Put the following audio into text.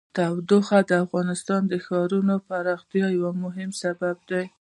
تودوخه د افغانستان د ښاري پراختیا یو مهم سبب دی.